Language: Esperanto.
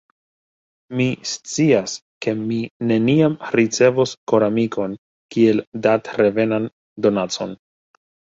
Mi scias ke mi neniam ricevos koramikon kiel datrevenan donacon.